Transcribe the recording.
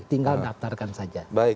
tinggal daftarkan saja